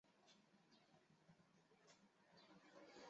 拉戈阿多拉达是巴西米纳斯吉拉斯州的一个市镇。